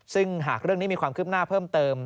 ซึ่งหากเรื่องนี้มีความคืบหน้าเพิ่มเติม